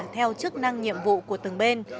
theo chức năng nhiệm vụ của từng bên